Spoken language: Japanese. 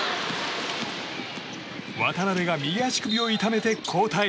渡邊が右足首を痛めて交代。